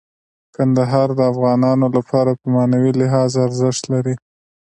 کندهار د افغانانو لپاره په معنوي لحاظ ارزښت لري.